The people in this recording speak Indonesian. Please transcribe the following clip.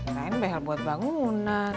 keren behel buat bangunan